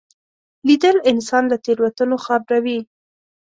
لیدل انسان له تېروتنو خبروي